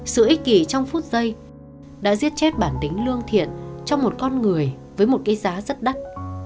sự ích kỳ trong phút giây đã giết chết bản tính lương thiện cho một con người với một cái giá rất đắt